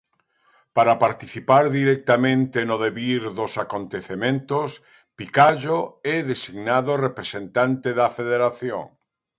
Para participar directamente no devir dos acontecementos, Picallo é designado representante da Federación.